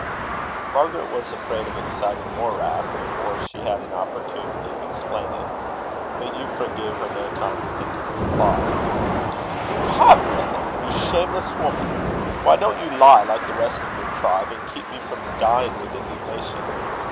Margaret was afraid of exciting more wrath before she had an opportunity of explaining; but Euphra gave her no time to think of a reply. "You have read it, you shameless woman! Why don't you lie, like the rest of your tribe, and keep me from dying with indignation?